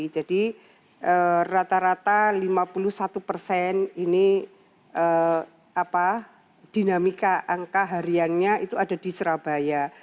jadi rata rata lima puluh satu persen ini dinamika angka hariannya itu ada di surabaya